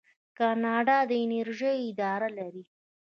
کاناډا د انرژۍ اداره لري.